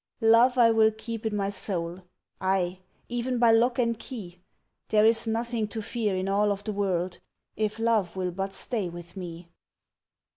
Love I will keep in my soul Ay! even by lock and key! There is nothing to fear in all of the world If Love will but stay with me.